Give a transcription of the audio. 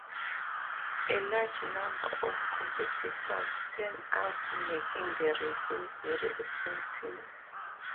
A large number of competitors turned out, making the racing very exciting.